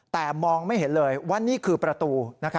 แต่มองไม่เห็นเลยว่านี่คือประตู